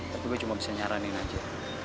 tapi gue cuma bisa nyaranin aja